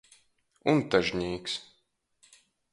Untažnīks.